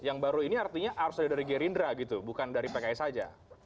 yang baru ini artinya harus ada dari gerindra gitu bukan dari pks saja